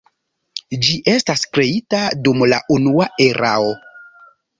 Ĝi estas kreita dum la Unua Erao.